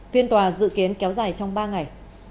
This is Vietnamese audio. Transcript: phiên tòa dự kiến kéo dài trong ba ngày